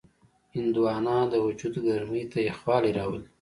هندوانه د وجود ګرمۍ ته یخوالی راولي.